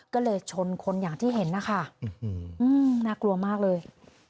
ก็เลยชนคนอย่างที่เห็นนะคะน่ากลัวมากเลย